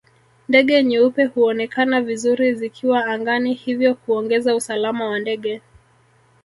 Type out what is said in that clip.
Ndege nyeupe huonekana vizuri zikiwa angani hivyo kuongeza usalama wa ndege